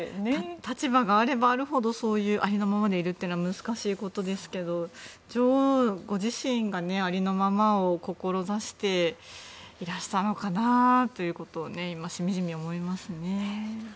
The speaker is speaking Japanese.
立場があればあるほどそういう、ありのままでいるって難しいことですけど女王ご自身がありのままを志していらしたのかなと今しみじみ思いますね。